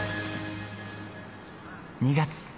２月。